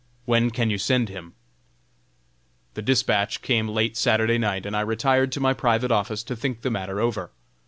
When can you send him?" The dispatch came late Saturday night, and I retired to my private office to think the matter over.